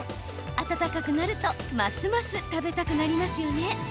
暖かくなるとますます食べたくなりますよね。